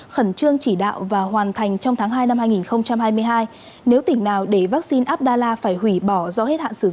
khẩn trương chỉ đạo và hoàn thành trong tháng hai năm hai nghìn hai mươi hai nếu tỉnh nào để vaccine abdalla phải hủy bỏ do hết hạn sử dụng